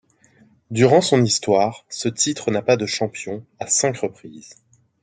Durant son histoire, ce titre n'a pas de champion à cinq reprises.